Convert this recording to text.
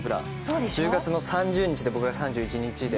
１０月の３０日と、僕が３１日で。